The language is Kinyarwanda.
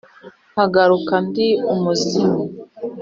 Nkagaruka ndi umuzimu